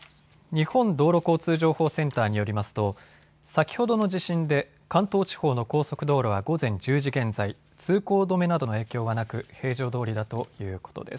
日本道路交通情報センターによりますと先ほどの地震で関東地方の高速道路は１０時現在、通行止めなどの影響はなく平常どおりだということです。